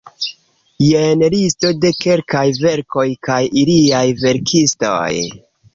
Jen listo de kelkaj verkoj kaj iliaj verkistoj.